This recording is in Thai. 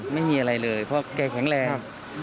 ไม่มีอะไรเลยเพราะแกแข็งแรง